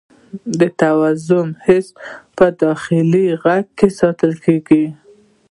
د توازن حس په داخلي غوږ کې ساتل کېږي.